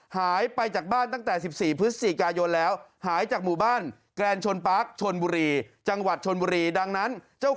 หายไปจากบ้านตั้งแต่สิบสี่พฤษสี่กายนแล้วหายจากหมู่บ้าน